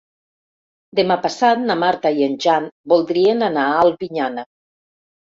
Demà passat na Marta i en Jan voldrien anar a Albinyana.